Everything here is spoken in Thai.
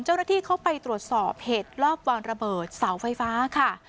เจ้าหน้าที่เข้าไปตรวจสอบเหตุรอบวางระเบิดเสาไฟฟ้าค่ะ